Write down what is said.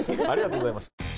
ありがとうございます。